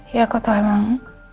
iya aku tau emang